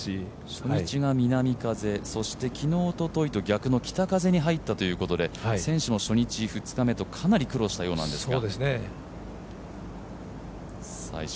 初日が南風、昨日おとといと逆の北風に入ったということで選手も初日、２日目とかなり苦労したようなんですが。